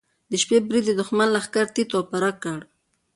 د شپې برید د دښمن لښکر تیت و پرک کړ.